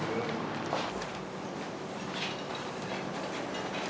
sing networks nya seperti tersenyum ya